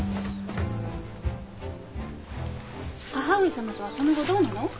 母上様とはその後どうなの？